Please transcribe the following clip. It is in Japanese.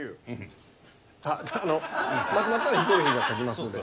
あっあのまとまったらヒコロヒーが書きますので。